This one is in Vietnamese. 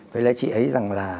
với lại chị ấy rằng là